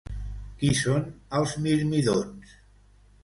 Qui són els mirmídons?